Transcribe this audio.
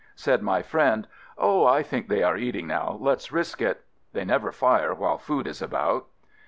Said my friend, "Oh, I think they are eating now; let's risk it. They never fire while food is about."